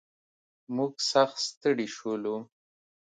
موږ سخت ستړي شولو.